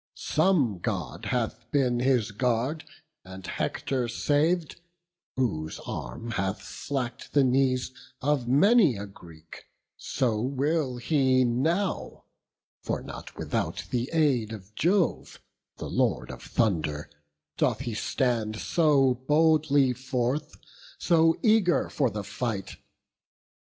Some God hath been his guard, and Hector sav'd, Whose arm hath slack'd the knees of many a Greek: So will he now; for not without the aid Of Jove, the Lord of thunder, doth he stand So boldly forth, so eager for the fight.